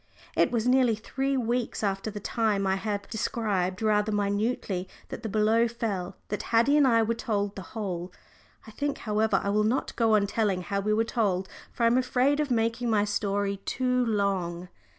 It was nearly three weeks after the time I have described rather minutely that the blow fell, that Haddie and I were told the whole. I think, however, I will not go on telling how we were told, for I am afraid of making my story too long.